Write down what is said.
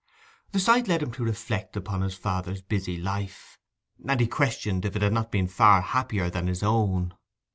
The sight led him to reflect upon his father's busy life, and he questioned if it had not been far happier than his own.